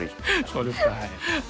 そうですか。